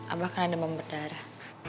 abah kan ada memberdarah